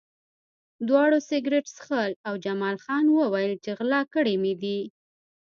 دواړو سګرټ څښل او جمال خان وویل چې غلا کړي مې دي